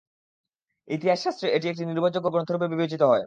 ইতিহাস শাস্ত্রে এটি একটি নির্ভরযোগ্য গ্রন্থরূপে বিবেচিত হয়।